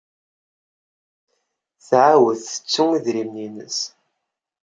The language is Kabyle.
Tɛawed tettu idrimen-nnes.